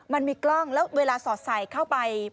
มันมีกล้องแล้วเวลาสอดใส่เข้าไป